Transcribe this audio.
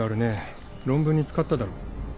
論文に使っただろ。